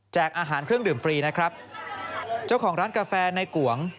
อาหารเครื่องดื่มฟรีนะครับเจ้าของร้านกาแฟในกวง